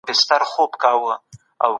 اورېدل تر لیکلو د لږ ستړیا لامل ګرځي.